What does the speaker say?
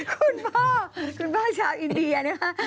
คุณพ่อชาวอินเดียนะคะ